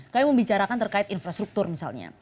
kami membicarakan terkait infrastruktur misalnya